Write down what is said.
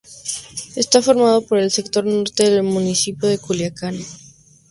Está formado por el sector norte del municipio de Culiacán.